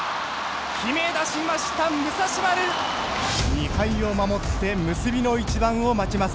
２敗を守って結びの一番を待ちます。